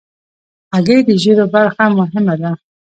هګۍ د ژیړو برخه مهمه ده.